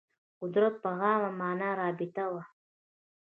قدرت په عامه معنا رابطه وه